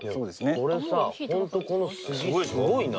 これさホントこの杉すごいな。